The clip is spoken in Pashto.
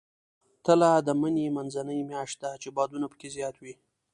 تله د مني منځنۍ میاشت ده، چې بادونه پکې زیات وي.